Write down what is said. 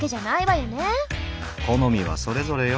好みはそれぞれよ。